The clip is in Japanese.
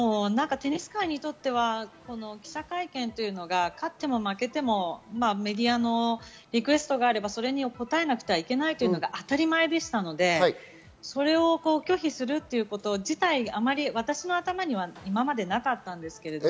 テニス界にとっては記者会見が、勝っても負けてもメディアのリクエストがあれば答えなくてはいけないというのが当たり前でしたので、拒否するということ自体、私の頭にはなかったんですけれど。